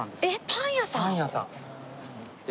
パン屋さん。